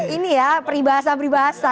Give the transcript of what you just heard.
ini ya peribahasa peribahasa